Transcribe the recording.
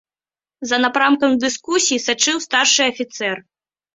За напрамкам дыскусій сачыў старшы афіцэр.